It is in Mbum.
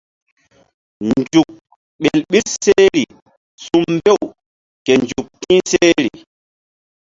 Nzuk ɓel ɓil sehri su̧mbew ke nzuk ti̧h sehri.